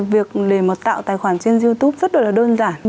việc để mà tạo tài khoản trên youtube rất là đơn giản